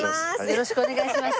よろしくお願いします。